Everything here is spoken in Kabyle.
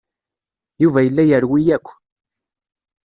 Yuba yella yerwi akk.